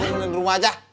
gue mau tidur rumah aja